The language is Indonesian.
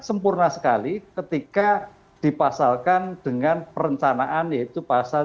sempurna sekali ketika dipasalkan dengan perencanaan yaitu pasal tiga ratus lima puluh lima